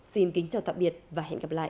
xin kính chào tạm biệt và hẹn gặp lại